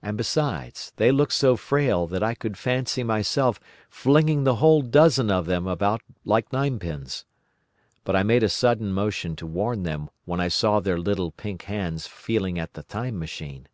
And besides, they looked so frail that I could fancy myself flinging the whole dozen of them about like ninepins. But I made a sudden motion to warn them when I saw their little pink hands feeling at the Time Machine.